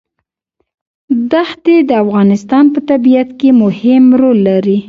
دښتې د افغانستان په طبیعت کې مهم رول لري.